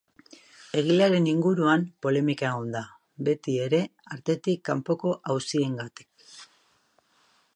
Egilearen inguruan polemika egon da, beti ere artetik kanpoko auziengatik.